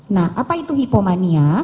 nah apa itu hipomania